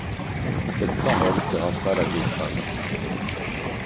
Cette parole terrassa la vieille femme.